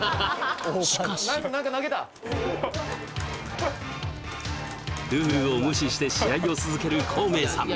しかしルールを無視して試合を続ける公明さん